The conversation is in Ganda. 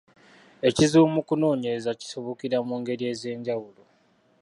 Ekizibu mu kunoonyereza kisibukira mu ngeri ez’enjawulo: